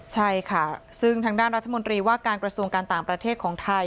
ใช่ค่ะซึ่งทางด้านรัฐมนตรีว่าการกระทรวงการต่างประเทศของไทย